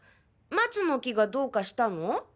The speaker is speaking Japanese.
松の木がどうかしたの？